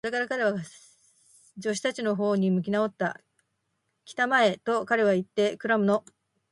それから彼は、助手たちのほうに向きなおった。「きたまえ！」と、彼はいって、クラムの手紙をかけ金から取り、出ていこうとした。